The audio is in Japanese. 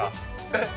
えっ？